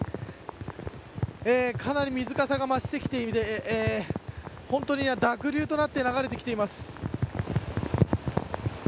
かなり水かさが増してきていて本当に濁流となって流れてきています。